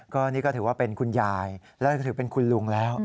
ก็นี่ก็ถือว่าเป็นคุณยายแล้วก็ถือเป็นคุณลุงแล้ว